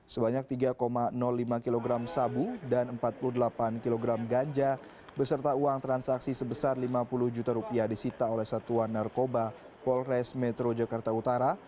sebanyak tiga lima kg sabu dan empat puluh delapan kg ganja beserta uang transaksi sebesar lima puluh juta rupiah disita oleh satuan narkoba polres metro jakarta utara